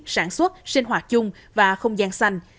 sản xuất sinh hoạt chung và không gian xanh